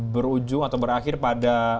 berujung atau berakhir pada